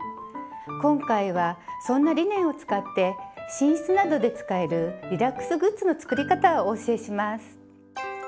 今回はそんなリネンを使って寝室などで使えるリラックスグッズの作り方をお教えします。